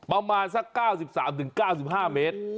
ประมาณสัก๙๓๙๕เมตร